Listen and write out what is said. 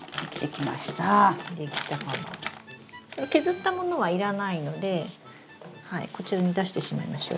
この削ったものは要らないのでこちらに出してしまいましょう。